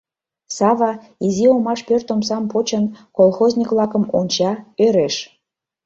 Сава, изи омаш пӧрт омсам почын, колхозник-влакым онча, ӧреш.